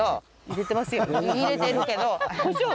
入れてるけど。